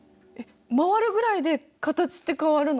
回るぐらいで形って変わるの？